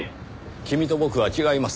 君と僕は違います。